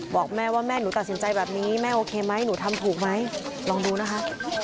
บอกแม่ว่าแม่หนูตัดสินใจแบบนี้แม่โอเคไหมหนูทำถูกไหมลองดูนะคะ